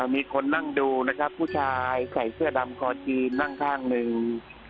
มีคนนั่งดูนะครับผู้ชายใส่เสื้อดำคอจีนนั่งข้างหนึ่ง